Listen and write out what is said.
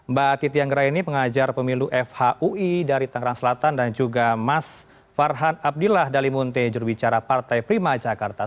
mbak titi anggraini pengajar pemilu fhui dari tangerang selatan dan juga mas farhan abdillah dalimunte jurubicara partai prima jakarta